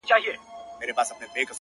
خو ځيني سيان نه بدلېږي هېڅکله,